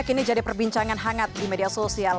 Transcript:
kini jadi perbincangan hangat di media sosial